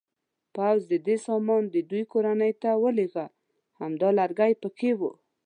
پوځ د ده سامان د دوی کورنۍ ته راولېږه، همدا لرګی هم پکې و.